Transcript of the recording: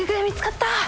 見つかった。